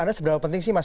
di awam negara keuntungan